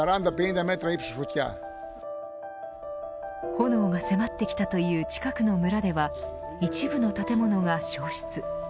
炎が迫ってきたという近くの村では一部の建物が焼失。